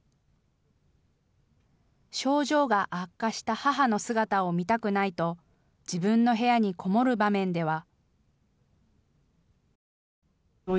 症状が悪化した母の姿を見たくないと自分の部屋に籠もる場面では。